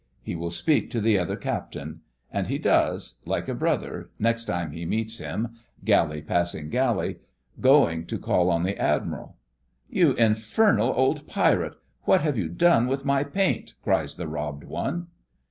He will speak to the other Captain. And he does, like a brother, next time he meets him, galley passing galley, going to call on the Admiral. 'You infernal old pirate! What have you done with my paint?' cries the robbed one.